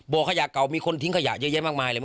บอกอยากว่ามีคนทิ้งขยะเยอะบางมายเลย